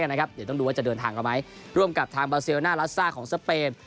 จะด้วยว่าจะเดินทางมาไหมร่วมกับทางเบอร์เซโยน่ารัอซ่าของสเปม